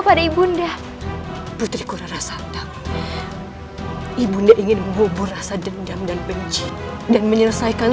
pada ibunda putriku rara sandang ibunda ingin menggobur rasa dendam dan benci dan menyelesaikan